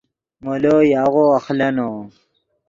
مولو یاغو اخلینو